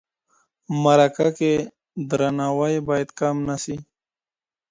مرکه کي درناوی باید کم نه سي.